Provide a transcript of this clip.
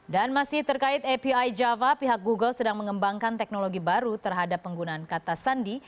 dan masih terkait api java pihak google sedang mengembangkan teknologi baru terhadap penggunaan kata sandi